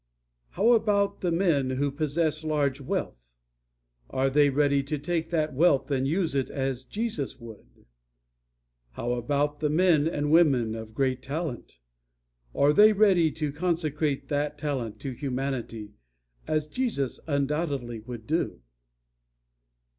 How about the men who possess large wealth? Are they ready to take that wealth and use it as Jesus would? How about the men and women of great talent? Are they ready to consecrate that talent to humanity as Jesus undoubtedly would do?